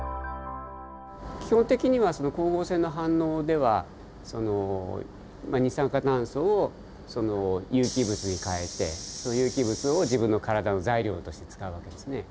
基本的にはその光合成の反応ではまあ二酸化炭素を有機物に変えてその有機物を自分の体の材料として使う訳ですね。